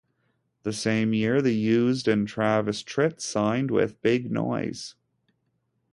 The same year The Used and Travis Tritt signed with Big Noise.